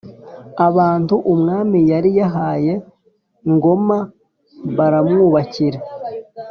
abantu umwami yari yahaye Ngoma baramwubakira.